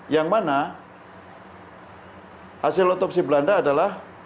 yang mana hasil otopsi belanda adalah